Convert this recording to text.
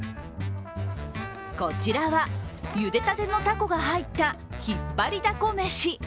こちらは、ゆでたてのたこが入ったひっぱりだこ飯。